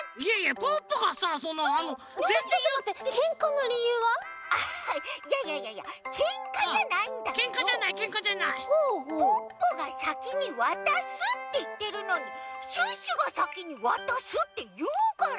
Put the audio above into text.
ポッポがさきにわたすっていってるのにシュッシュがさきにわたすっていうから！